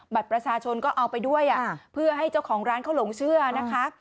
บัตรประชาชนก็เอาไปด้วยเพื่อให้เจ้าของร้านเขาหลงเชื่อนะคะ